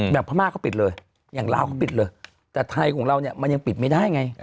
อย่างพม่าก็ปิดเลยอย่างลาวก็ปิดเลยแต่ไทยของเรามันยังปิดไม่ได้ไง